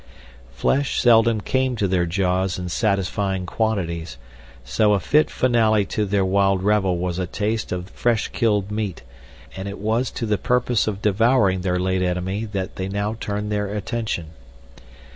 Flesh seldom came to their jaws in satisfying quantities, so a fit finale to their wild revel was a taste of fresh killed meat, and it was to the purpose of devouring their late enemy that they now turned their attention.